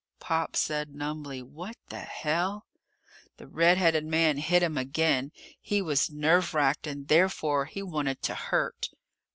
Pop said numbly: "What the hell?" The red headed man hit him again. He was nerve racked, and, therefore, he wanted to hurt.